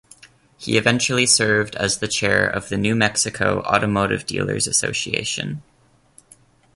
He eventually served as the chair of the New Mexico Automobile Dealers Association.